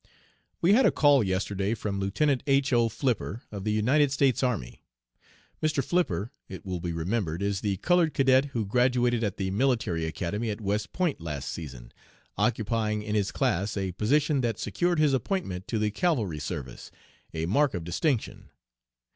"We had a call yesterday from Lieutenant H. O. Flipper, of the United States Army. Mr. Flipper, it will be remembered, is the colored cadet who graduated at the Military Academy at West Point last session, occupying in his class a position that secured his appointment to the cavalry service, a mark of distinction.